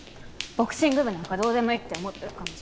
ボクシング部なんかどうでもいいって思ってる感じ。